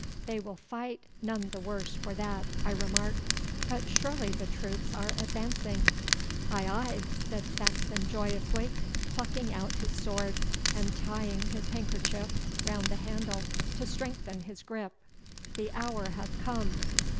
'They will fight none the worse for that,' I remarked; 'but surely the troops are advancing!' 'Aye, aye!' cried Saxon joyously, plucking out his sword, and tying his handkerchief round the handle to strengthen his grip. 'The hour has come!